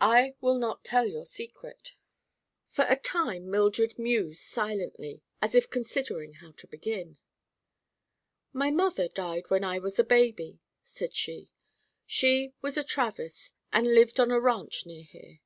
"I will not tell your secret." For a time Mildred mused silently, as if considering how to begin. "My mother died when I was a baby," said she. "She was a Travers and lived on a ranch near here."